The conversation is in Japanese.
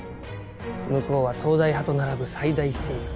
向こうは東大派と並ぶ最大勢力。